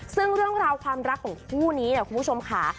ซึ่งเรื่องราวความรักของคู่นี้เนี่ยคุณผู้ชมค่ะ